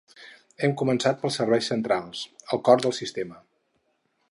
Hem començat pels serveis centrals, el cor del sistema.